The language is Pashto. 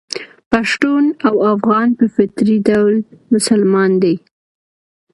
پښتون او افغان په فطري ډول مسلمان دي.